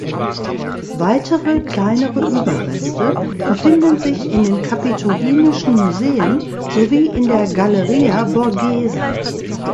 Weitere kleinere Überreste befinden sich in den Kapitolinischen Museen sowie in der Galleria Borghese.